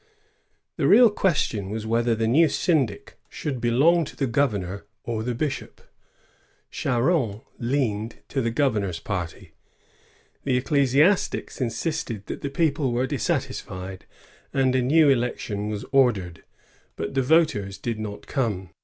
The real question was whether the new syndic should belong to the gov ernor or to the bishop. Charron leaned to the governor's party. The ecclesiastics insisted that the people were dissatisfied, and a new election was ordered, but the voters did not come.